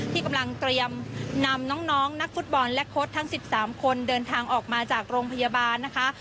ที่กำลังเตรียมนำน้องนักฟุตบอลและโค้ดทั้ง๑๓คนเดินทางออกมาจากโรงพยาบาลนะคะ